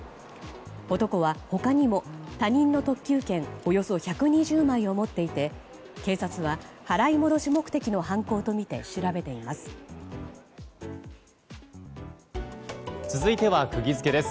男は、他にも他人の特急券およそ１２０枚を持っていて警察は払い戻し目的の犯行とみて調べています。